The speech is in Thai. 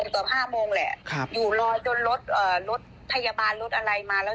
ปีนกว่า๔๕โมงแหละอยู่รอยโดนรถไทยบาลรถอะไรมาแล้ว